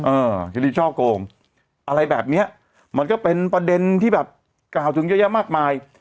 คดีช่อโกงอะไรแบบเนี้ยมันก็เป็นประเด็นที่แบบกล่าวถึงเยอะแยะมากมาย